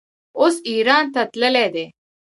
اوس ایران ته تللی دی.